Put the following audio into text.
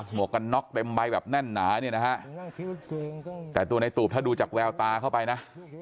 วกกันน็อกเต็มใบแบบแน่นหนาเนี่ยนะฮะแต่ตัวในตูบถ้าดูจากแววตาเข้าไปนะ